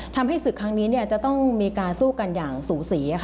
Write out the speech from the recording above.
ทำให้ศึกครั้งนี้จะต้องมีการสู้กันอย่างสูสี